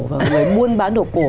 và người muôn bán đồ cổ